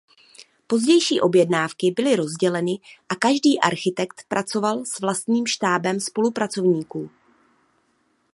Pozdější objednávky byly rozděleny a každý architekt pracoval s vlastním štábem spolupracovníků.